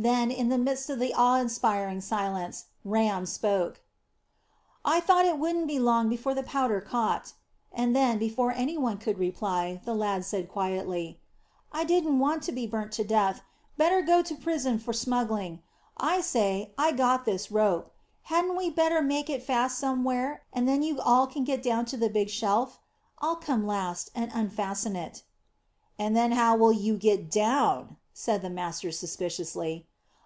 Then, in the midst of the awe inspiring silence, Ram spoke, "I thought it wouldn't be long before the powder caught;" and then, before any one could reply, the lad said quietly, "I didn't want to be burnt to death. Better go to prison for smuggling. I say, I got this rope. Hadn't we better make it fast somewhere, and then you can all get down to the big shelf? I'll come last, and unfasten it." "And then how will you get down?" said the master suspiciously.